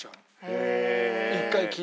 へえ。